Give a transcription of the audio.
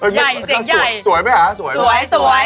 ใหญ่สิ่งใหญ่สวยไหมฮะสวยสวย